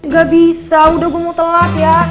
gak bisa udah gue mau telat ya